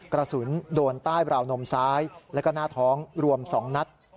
กระสุนโดนใต้ราวนมซ้ายแล้วก็หน้าท้องรวม๒นัด